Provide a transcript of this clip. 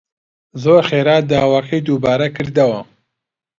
زۆر خێرا داواکەی دووبارە کردەوە